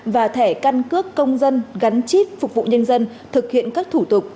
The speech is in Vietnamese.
và thẻ căn cước công dân gắn chip phục vụ nhân dân thực hiện các thủ tục